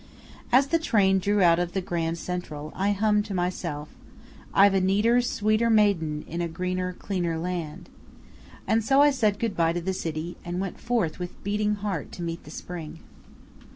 As the train drew out of the Grand Central, I hummed to myself, "I've a neater, sweeter maiden, in a greener, cleaner land" and so I said good by to the city, and went forth with beating heart to meet the spring.